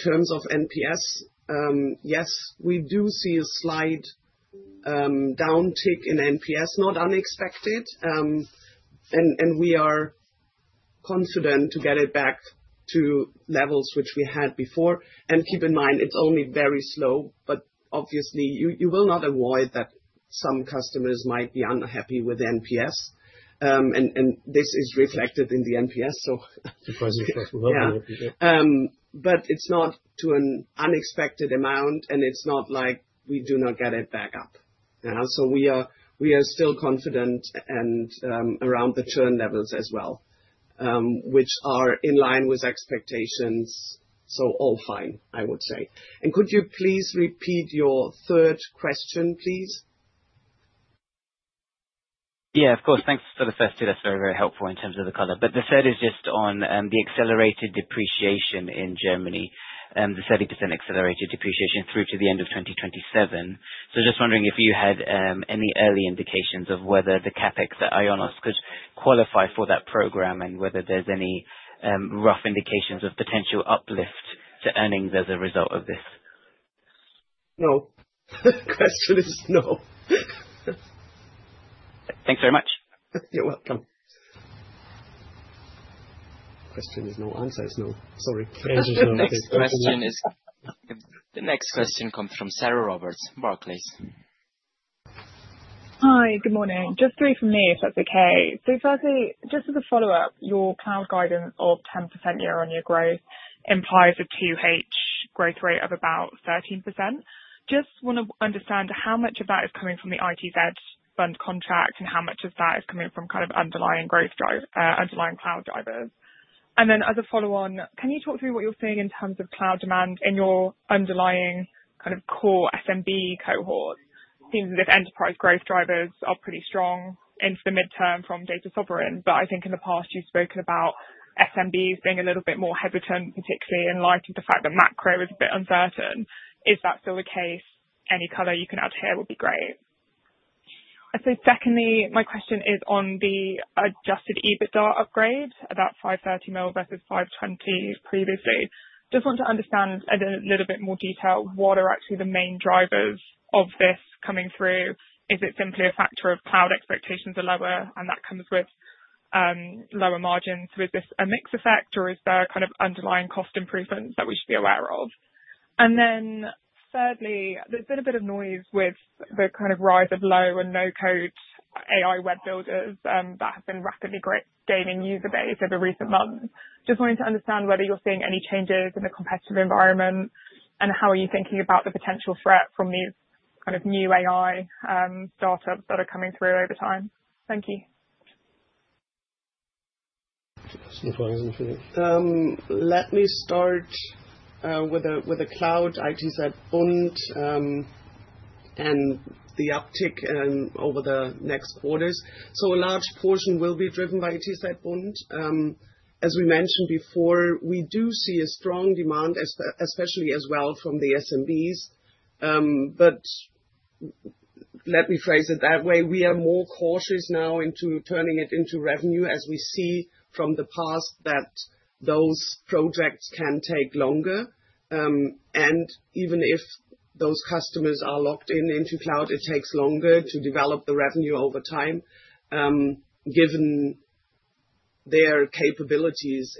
S3: terms of NPS, yes, we do see a slight downtick in NPS, not unexpected. We are confident to get it back to levels which we had before. Keep in mind, it's only very slow, but obviously, you will not avoid that some customers might be unhappy with NPS. This is reflected in the NPS.
S2: Surprisingly positive level.
S3: It is not to an unexpected amount, and it is not like we do not get it back up. We are still confident and around the churn levels as well, which are in line with expectations. All fine, I would say. Could you please repeat your third question, please?
S7: Yeah, of course. Thanks for the first two. That's very, very helpful in terms of the color. The third is just on the accelerated depreciation in Germany, the 30% accelerated depreciation through to the end of 2027. I'm just wondering if you had any early indications of whether the CAPEX that IONOS could qualify for that program and whether there's any rough indications of potential uplift to earnings as a result of this.
S2: No, the question is no.
S7: Thanks very much.
S2: You're welcome. The answer is no, sorry.
S4: The next question comes from Sarah Roberts, Barclays.
S8: Hi, good morning. Just three from me, if that's okay. Firstly, just as a follow-up, your cloud guidance of 10% year-on-year growth implies a 2H growth rate of about 13%. I just want to understand how much of that is coming from the ITZBund contract and how much of that is coming from underlying cloud drivers. As a follow-on, can you talk through what you're seeing in terms of cloud demand in your underlying core SMB cohort? It seems as if enterprise growth drivers are pretty strong in the mid-term from digital sovereignty, but I think in the past you've spoken about SMBs being a little bit more hesitant, particularly in light of the fact that macro is a bit uncertain. Is that still the case? Any color you can add here would be great. Secondly, my question is on the Adjusted EBITDA upgrade, about 530 million versus 520 million previously. I just want to understand in a little bit more detail what are actually the main drivers of this coming through. Is it simply a factor of cloud expectations are lower and that comes with lower margins? Is this a mix effect or is there underlying cost improvements that we should be aware of? Thirdly, there's been a bit of noise with the rise of low/no-code AI web builders that have been rapidly gaining user base over recent months. I just want to understand whether you're seeing any changes in the competitive environment and how you are thinking about the potential threat from these new AI startups that are coming through over time. Thank you.
S3: Let me start with the cloud ITZBund and the uptick over the next quarters. A large portion will be driven by ITZBund. As we mentioned before, we do see a strong demand, especially as well from the SMBs. Let me phrase it that way. We are more cautious now in turning it into revenue as we see from the past that those projects can take longer. Even if those customers are locked in into cloud, it takes longer to develop the revenue over time, given their capabilities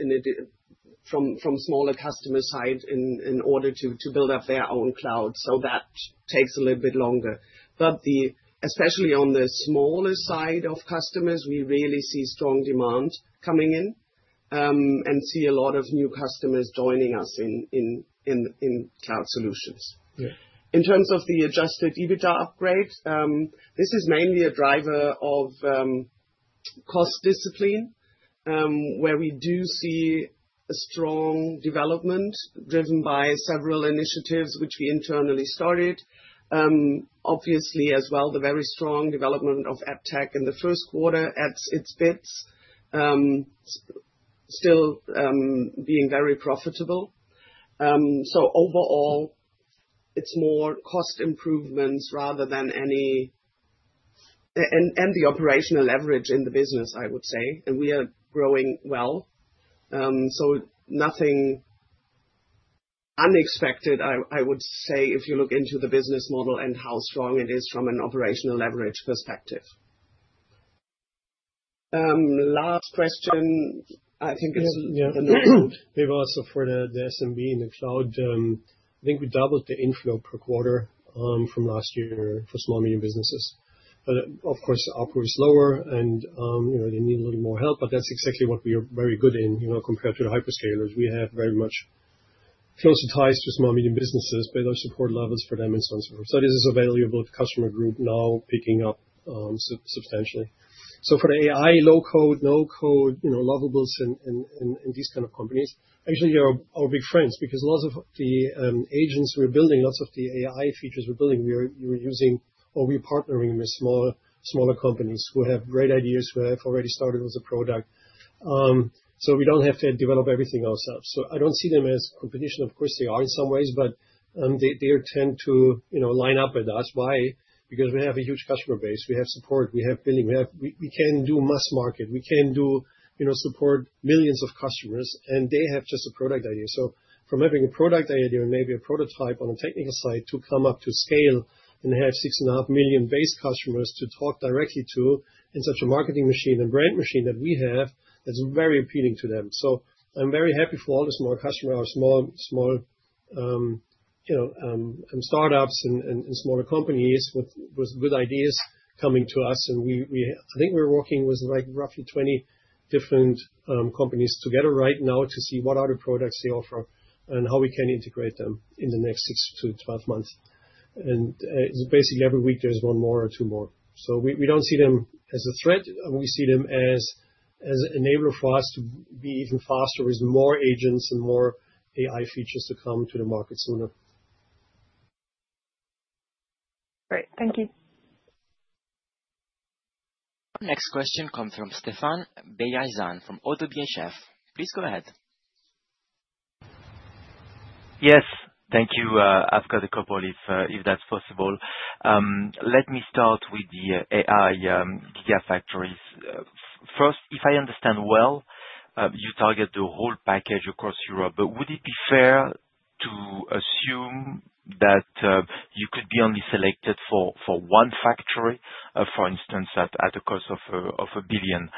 S3: from smaller customer size in order to build up their own cloud. That takes a little bit longer. Especially on the smaller side of customers, we really see strong demand coming in and see a lot of new customers joining us in cloud solutions. In terms of the Adjusted EBITDA upgrade, this is mainly a driver of cost discipline, where we do see a strong development driven by several initiatives which we internally started. Obviously, as well, the very strong development of ad tech in the first quarter adds its bits, still being very profitable. Overall, it's more cost improvements rather than any and the operational leverage in the business, I would say. We are growing well. Nothing unexpected, I would say, if you look into the business model and how strong it is from an operational leverage perspective. Last question, I think.
S2: Yeah, the no-code paper also for the SMB in the cloud. I think we doubled the inflow per quarter from last year for small, medium businesses. Of course, ARPU is lower, and you know they need a little more help, but that's exactly what we are very good in, you know, compared to the hyperscalers. We have very much closer ties to small, medium businesses by those support levels for them and so on and so forth. It is a valuable customer group now picking up substantially. For the AI, low-code, no-code, you know, lovables and these kinds of companies, actually, they are our big friends because lots of the agents we're building, lots of the AI features we're building, we're using or we're partnering with small, smaller companies who have great ideas, who have already started with a product. We don't have to develop everything ourselves. I don't see them as competition. Of course, they are in some ways, but they tend to, you know, line up with us. Why? Because we have a huge customer base. We have support. We have billing. We can do mass market. We can, you know, support millions of customers, and they have just a product idea. From having a product idea and maybe a prototype on the technical side to come up to scale and have six and a half million base customers to talk directly to in such a marketing machine and brand machine that we have, that's very appealing to them. I am very happy for all the small customers, our small, small, you know, startups and smaller companies with good ideas coming to us. I think we're working with like roughly 20 different companies together right now to see what other products they offer and how we can integrate them in the next 6-12 months. Basically, every week there's one more or two more. We don't see them as a threat. We see them as an enabler for us to be even faster with more agents and more AI features to come to the market sooner.
S8: Great. Thank you.
S4: Next question comes from Stephane Beyazian from ODDO BHF. Please go ahead.
S9: Yes. Thank you. I've got a couple if that's possible. Let me start with the AI gigafactories. First, if I understand well, you target the whole package across Europe, but would it be fair to assume that you could be only selected for one factory, for instance, at a cost of 1 billion?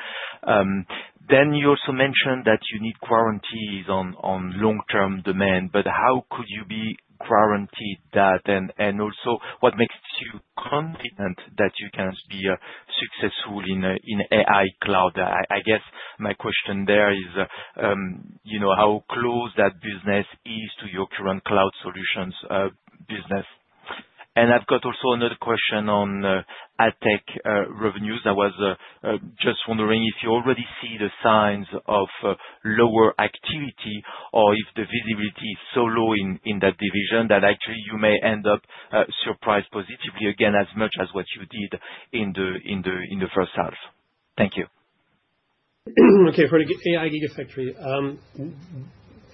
S9: You also mentioned that you need guarantees on long-term demand. How could you be guaranteed that? What makes you confident that you can be successful in AI cloud? I guess my question there is, you know, how close that business is to your current cloud solutions business? I've also got another question on ad tech revenues. I was just wondering if you already see the signs of lower activity or if the visibility is so low in that division that actually you may end up surprised positively again as much as what you did in the first half. Thank you.
S2: Okay. For the AI gigafactory,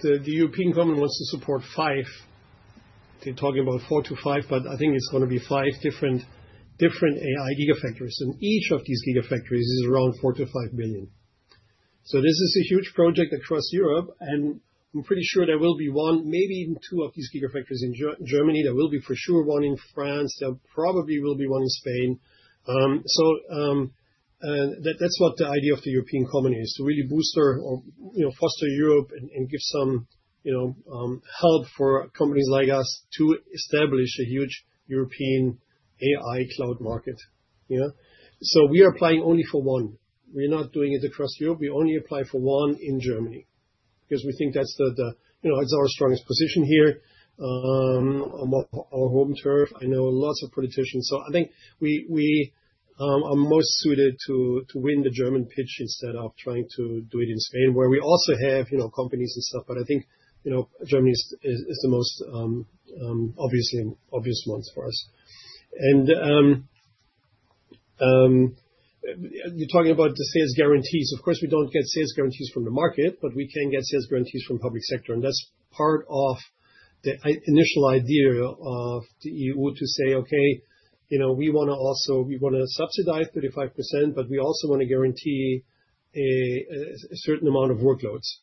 S2: the European government wants to support five. They're talking about four to five, but I think it's going to be five different AI gigafactories, and each of these gigafactories is around 4 billion to 5 billion. This is a huge project across Europe, and I'm pretty sure there will be one, maybe even two of these gigafactories in Germany. There will be for sure one in France. There probably will be one in Spain. That's what the idea of the European Commission is, to really boost or foster Europe and give some, you know, help for companies like us to establish a huge European AI cloud market. We are applying only for one. We're not doing it across Europe. We only apply for one in Germany because we think that's the, you know, it's our strongest position here on our home turf. I know lots of politicians. I think we are most suited to win the German pitch instead of trying to do it in Spain, where we also have, you know, companies and stuff. I think, you know, Germany is the most obvious one for us. You're talking about the sales guarantees. Of course, we don't get sales guarantees from the market, but we can get sales guarantees from the public sector. That's part of the initial idea of the E.U. to say, okay, you know, we want to also, we want to subsidize 35%, but we also want to guarantee a certain amount of workloads.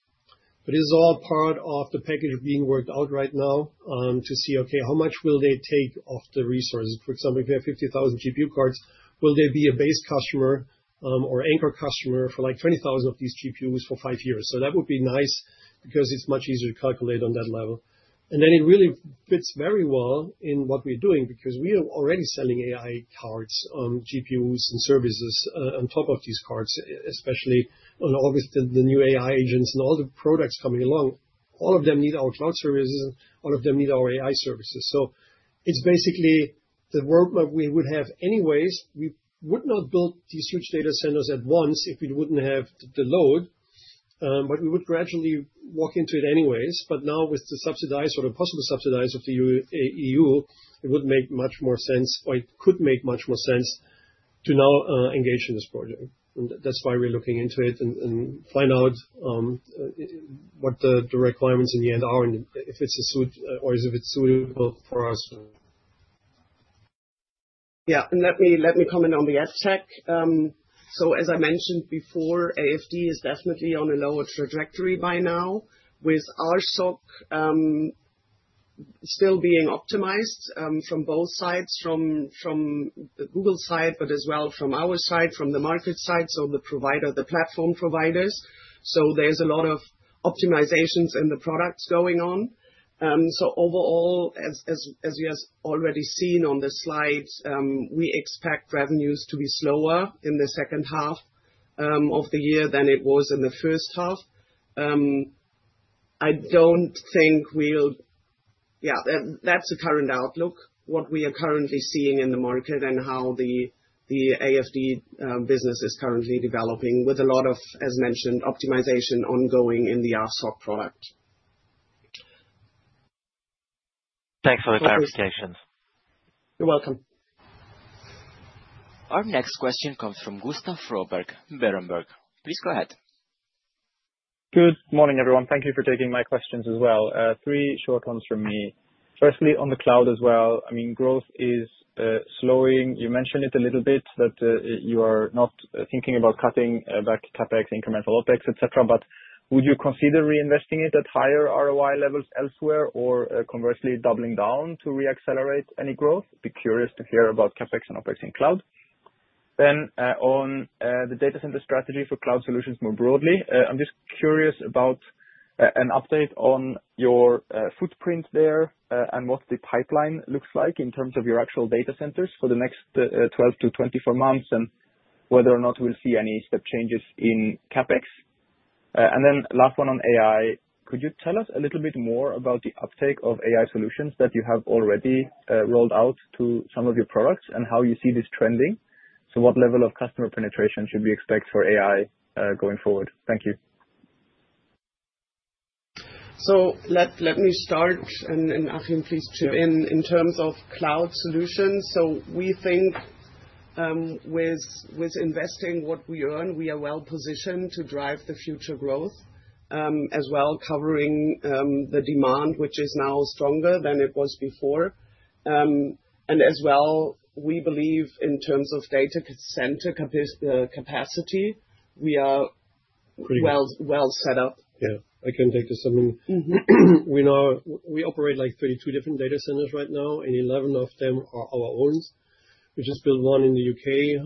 S2: This is all part of the package being worked out right now to see, okay, how much will they take off the resources? For example, if you have 50,000 GPU cards, will there be a base customer or anchor customer for like 20,000 of these GPUs for five years? That would be nice because it's much easier to calculate on that level. It really fits very well in what we're doing because we are already selling AI cards, GPUs, and services on top of these cards, especially on all the new AI agents and all the products coming along. All of them need our cloud services. All of them need our AI services. It's basically the world we would have anyways. We would not build these huge data centers at once if we wouldn't have the load, but we would gradually walk into it anyways. Now with the subsidized or the possible subsidized of the E.U., it would make much more sense, or it could make much more sense to now engage in this project. That's why we're looking into it and find out what the requirements in the end are and if it's a suit or is it suitable for us.
S3: Let me comment on the ad tech. As I mentioned before, AFD is definitely on a lower trajectory by now, with RSOC still being optimized from both sides, from the Google side, but as well from our side, from the market side, so the platform providers. There are a lot of optimizations in the products going on. Overall, as we have already seen on the slides, we expect revenues to be slower in the second half of the year than it was in the first half. That's the current outlook, what we are currently seeing in the market and how the AFD business is currently developing with a lot of, as mentioned, optimization ongoing in the RSOC product.
S9: Thanks for the clarifications.
S3: You're welcome.
S4: Our next question comes from Gustav Froberg, Berenberg. Please go ahead.
S10: Good morning, everyone. Thank you for taking my questions as well. Three short ones from me. Firstly, on the cloud as well, I mean, growth is slowing. You mentioned it a little bit, but you are not thinking about cutting back CAPEX, incremental OPEX, etc. Would you consider reinvesting it at higher ROI levels elsewhere or conversely doubling down to reaccelerate any growth? Be curious to hear about CAPEX and OPEX in cloud. On the data center strategy for cloud solutions more broadly, I'm just curious about an update on your footprint there and what the pipeline looks like in terms of your actual data centers for the next 12-24 months and whether or not we'll see any step changes in CAPEX. Last one on AI. Could you tell us a little bit more about the uptake of AI solutions that you have already rolled out to some of your products and how you see this trending? What level of customer penetration should we expect for AI going forward? Thank you.
S3: Let me start, and Achim, please chip in. In terms of cloud solutions, we think with investing what we earn, we are well positioned to drive the future growth, as well covering the demand, which is now stronger than it was before. We believe in terms of data center capacity, we are pretty well set up.
S2: Yeah, I can take this. I mean, we operate like 32 different data centers right now, and 11 of them are our own. We just built one in the U.K.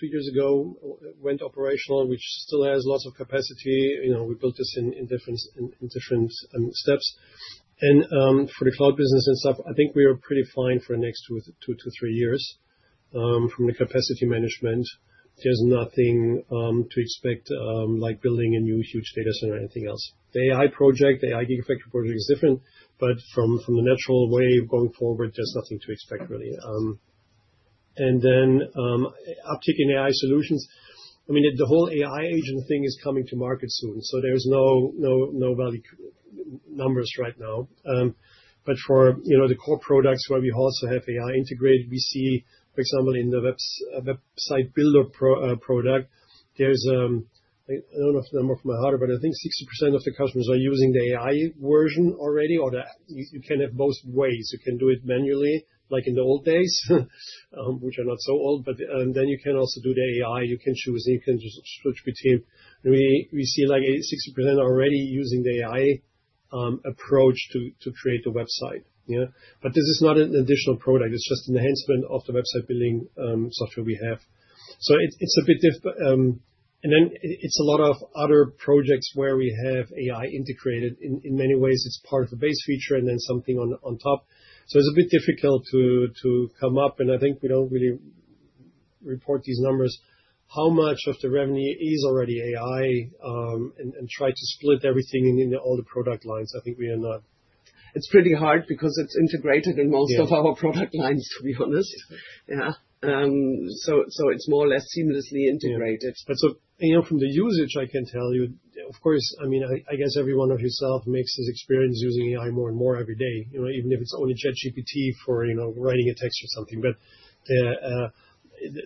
S2: two years ago, went operational, which still has lots of capacity. You know, we built this in different steps. For the cloud business and stuff, I think we are pretty fine for the next two to three years from the capacity management. There's nothing to expect like building a new huge data center or anything else. The AI project, the AI gigafactory project is different. From the natural way going forward, there's nothing to expect, really. Uptake in AI solutions, I mean, the whole AI agent thing is coming to market soon. There's no value numbers right now. For the core products where we also have AI integrated, we see, for example, in the website builder product, there's, I don't know if the number from my heart, but I think 60% of the customers are using the AI version already, or you can have both ways. You can do it manually, like in the old days, which are not so old, but then you can also do the AI. You can choose, you can just switch between. We see like 60% already using the AI approach to create the website. This is not an additional product. It's just an enhancement of the website building software we have. It's a bit difficult. There are a lot of other projects where we have AI integrated. In many ways, it's part of the base feature and then something on top. It's a bit difficult to come up. I think we don't really report these numbers, how much of the revenue is already AI, and try to split everything in all the product lines. I think we are not.
S3: It's pretty hard because it's integrated in most of our product lines, to be honest. It's more or less seamlessly integrated.
S2: Yeah. From the usage, I can tell you, of course, I mean, I guess every one of yourselves makes this experience using AI more and more every day. You know, even if it's only ChatGPT for, you know, writing a text or something.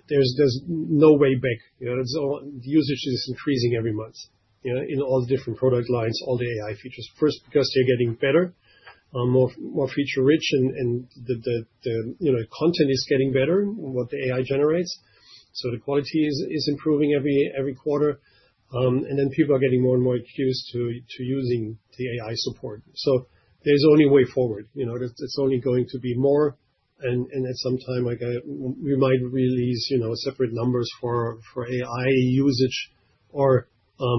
S2: There's no way back. The usage is increasing every month, in all the different product lines, all the AI features. First, because they're getting better, more feature-rich, and the content is getting better, what the AI generates. The quality is improving every quarter. People are getting more and more used to using the AI support. There's only a way forward. It's only going to be more. At some time, we might release separate numbers for AI usage or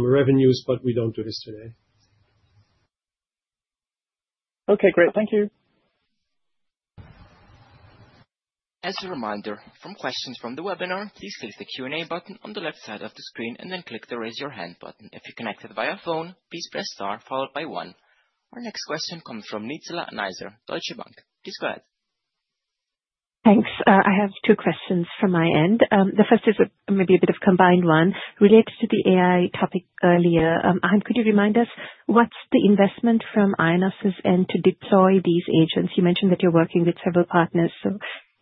S2: revenues, but we don't do this today.
S10: Okay, great. Thank you.
S4: As a reminder, for questions from the webinar, please use the Q&A button on the left side of the screen and then click the Raise Your Hand button. If you connected via phone, please press star followed by one. Our next question comes from Nizla Naizer, Deutsche Bank. Please go ahead.
S11: Thanks. I have two questions from my end. The first is maybe a bit of a combined one. Related to the AI topic earlier, Achim, could you remind us what's the investment from IONOS's end to deploy these agents? You mentioned that you're working with several partners.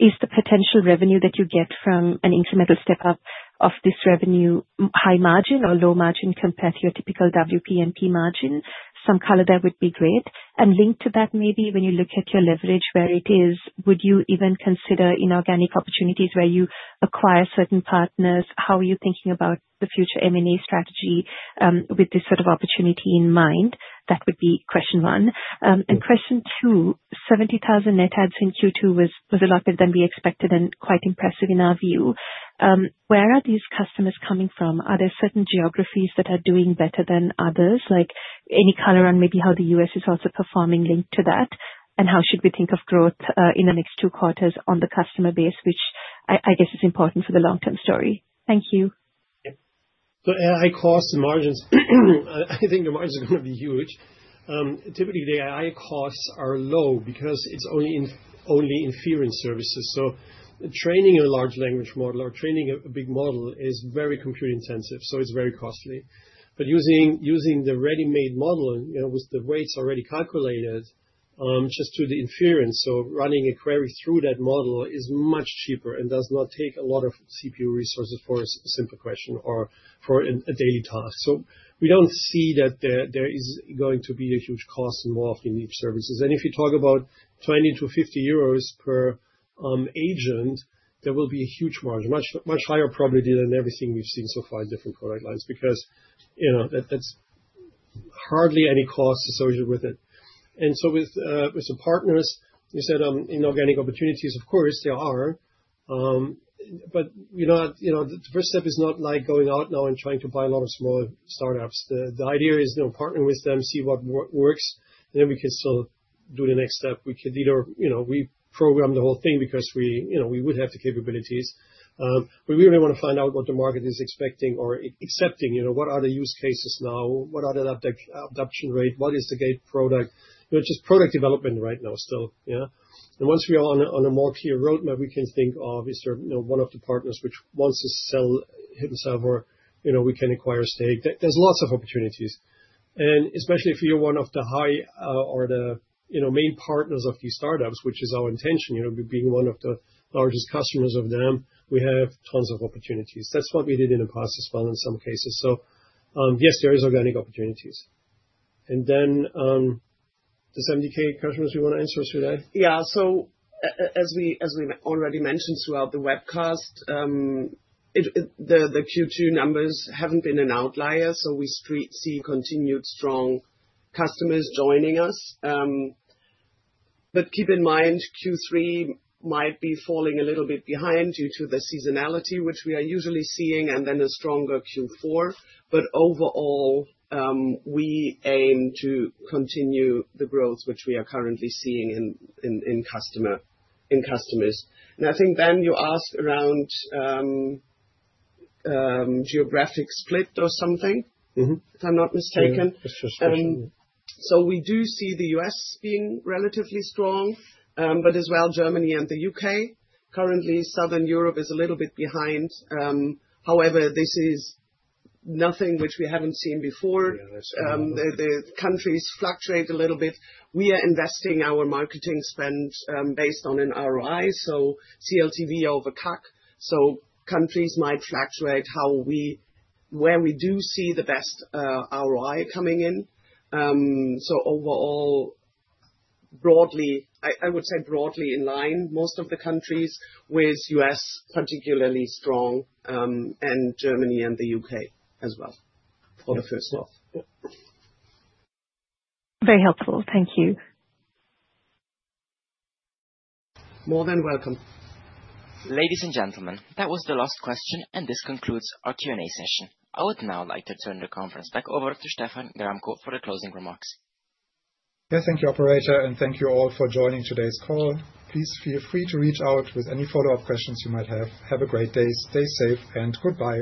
S11: Is the potential revenue that you get from an incremental step-up of this revenue high margin or low margin compared to your typical WPMP margin? Some color there would be great. Linked to that, when you look at your leverage, where it is, would you even consider inorganic opportunities where you acquire certain partners? How are you thinking about the future M&A strategy with this sort of opportunity in mind? That would be question one. Question two, 70,000 net ads in Q2 was a lot more than we expected and quite impressive in our view. Where are these customers coming from? Are there certain geographies that are doing better than others? Any color on maybe how the U.S. is also performing linked to that? How should we think of growth in the next two quarters on the customer base, which I guess is important for the long-term story? Thank you.
S2: Yeah. AI costs and margins, I think the margins are going to be huge. Typically, the AI costs are low because it's only inference and services. Training a large language model or training a big model is very compute-intensive. It's very costly. Using the ready-made model, with the weights already calculated, just the inference, running a query through that model is much cheaper and does not take a lot of CPU resources for a simple question or for a daily task. We don't see that there is going to be a huge cost involved in these services. If you talk about 20-50 euros per agent, there will be a huge margin, much higher probably than everything we've seen so far in different product lines because that's hardly any cost associated with it. With the partners, you said inorganic opportunities, of course, there are. The first step is not like going out now and trying to buy a lot of small startups. The idea is, partner with them, see what works, and then we can still do the next step. We could either program the whole thing because we would have the capabilities. We really want to find out what the market is expecting or accepting. What are the use cases now? What are the adoption rates? What is the gate product? It's just product development right now still. Once we are on a more clear roadmap, we can think of, is there one of the partners which wants to sell hidden server, we can acquire a stake. There are lots of opportunities. Especially if you're one of the high or the main partners of these startups, which is our intention, being one of the largest customers of them, we have tons of opportunities. That's what we did in the past as well in some cases. Yes, there are organic opportunities. The 70,000 customers, do you want to answer us with that?
S3: As we already mentioned throughout the webcast, the Q2 numbers haven't been an outlier. We see continued strong customers joining us. Keep in mind, Q3 might be falling a little bit behind due to the seasonality, which we are usually seeing, and then a stronger Q4. Overall, we aim to continue the growth which we are currently seeing in customers. I think you asked around geographic split or something, if I'm not mistaken.
S2: Yeah, that's just fine.
S3: We do see the U.S. being relatively strong, as well as Germany and the U.K. Currently, Southern Europe is a little bit behind. However, this is nothing which we haven't seen before. The countries fluctuate a little bit. We are investing our marketing spend based on an ROI, so CLTV over CAC. Countries might fluctuate where we do see the best ROI coming in. Overall, I would say broadly in line, most of the countries with U.S. particularly strong, and Germany and the U.K. as well for the first half.
S11: Very helpful. Thank you.
S3: More than welcome.
S4: Ladies and gentlemen, that was the last question, and this concludes our Q&A session. I would now like to turn the conference back over to Stephan Gramkow for the closing remarks.
S1: Yes, thank you, operator, and thank you all for joining today's call. Please feel free to reach out with any follow-up questions you might have. Have a great day. Stay safe, and goodbye.